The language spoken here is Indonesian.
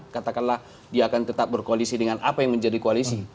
katakanlah dia akan tetap berkoalisi dengan apa yang menjadi koalisi